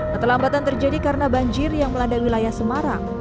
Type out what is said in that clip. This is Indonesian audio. keterlambatan terjadi karena banjir yang melanda wilayah semarang